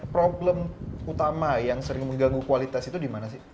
problem utama yang sering mengganggu kualitas itu di mana sih